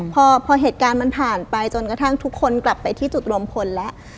พอเหตุการณ์มันผ่านไปจนกระทั่งทุกคนกลับไปที่จุดรวมพลแล้ว